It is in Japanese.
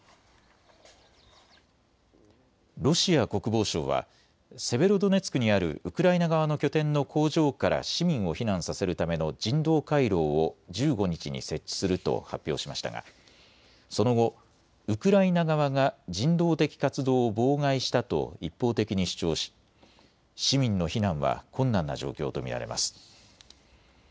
ロシア国防省はセベロドネツクにあるウクライナ側の拠点の工場から市民を避難させるための人道回廊を１５日に設置すると発表しましたがその後、ウクライナ側が人道的活動を妨害したと一方的に主張し市民の避難は困難な状況と見られます。